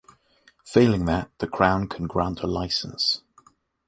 Failing that, the Crown can grant a licence.